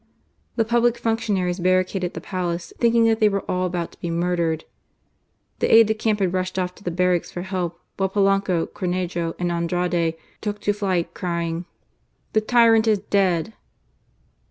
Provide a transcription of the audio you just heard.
The public functionaries barricaded the Palace, thinking that they were all about to be murdered. The aide de camp had rushed off to the barracks for help, while Polanco, Cornejo, and Andrade took to flight, crying :" The tyrant is dead